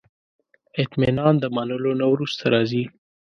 اطمینان د منلو نه وروسته راځي.